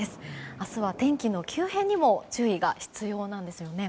明日は天気の急変にも注意が必要なんです。